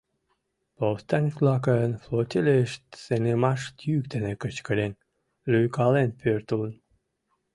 Повстанец-влакын флотилийышт сеҥымаш йӱк дене кычкырен, лӱйкален пӧртылын.